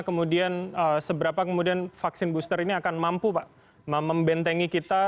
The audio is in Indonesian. kemudian seberapa kemudian vaksin booster ini akan mampu pak membentengi kita